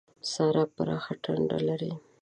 سارا پراخه ټنډه لري.